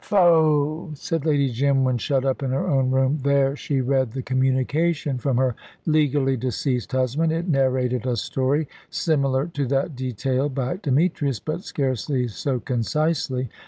"Faugh!" said Lady Jim, when shut up in her own room. There she read the communication from her legally deceased husband. It narrated a story similar to that detailed by Demetrius, but scarcely so concisely.